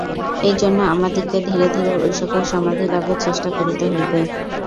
এইজন্য আমাদিগকে ধীরে ধীরে ঐ-সকল সমাধিলাভের চেষ্টা করিতে হইবে।